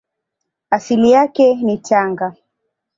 Asili yake ni Tanga.